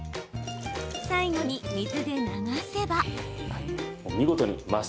最後に水で流せば。